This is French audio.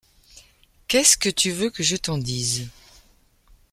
Qu’est-ce que tu veux que je t’en dise ?